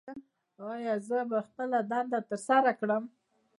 ایا زه به خپله دنده ترسره کړم؟